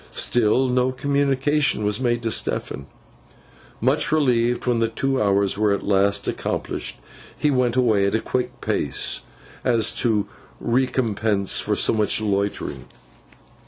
Still, no communication was made to Stephen. Much relieved when the two hours were at last accomplished, he went away at a quick pace, as a recompense for so much loitering.